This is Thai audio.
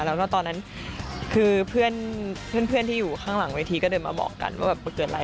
แล้วก็ตอนนั้นคือเพื่อนที่อยู่ข้างหลังเวทีก็เดินมาบอกกันว่าเกิดอะไร